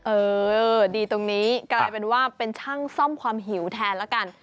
เออดีตรงนี้กลายเป็นว่าเป็นช่างซ่อมความหิวแทนละกัน